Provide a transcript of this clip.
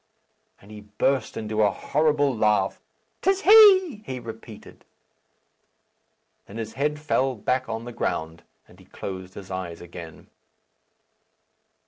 And he burst into a horrible laugh. "'Tis he!" he repeated. Then his head fell back on the ground, and he closed his eyes again.